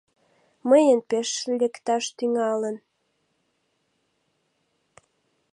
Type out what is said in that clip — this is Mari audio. Мыйын пеш лекташ тӱҥалын.